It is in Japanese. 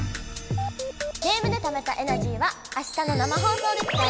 ゲームでためたエナジーはあしたの生放送で使えるよ！